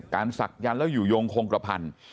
การศักดิ์ยันต์แล้วอยู่โยงโครงกระพันธ์